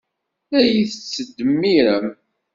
La iyi-tettdemmirem.